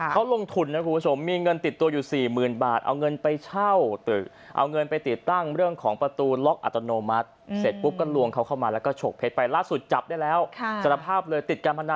เขาลงทุนนะครับคุณผู้ชมมีเงินติดตัวอยู่๔๐๐๐๐บาท